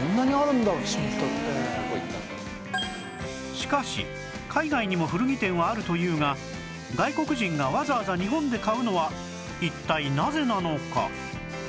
しかし海外にも古着店はあるというが外国人がわざわざ日本で買うのは一体なぜなのか？